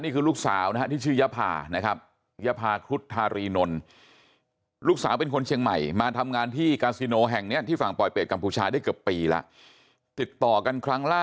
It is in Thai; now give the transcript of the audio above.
คือคุณนัทสิริเนี่ย